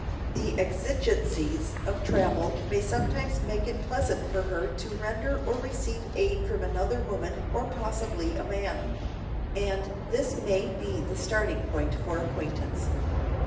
The exigencies of travel may sometimes make it pleasant for her to render or receive aid from another woman or possibly a man; and this may be the starting point for acquaintance.